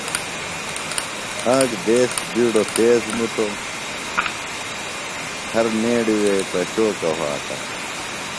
آک دیس بیڈو تیز مُتو۔ ہرنیڑی وے پرشوکہ وھاتہ ۔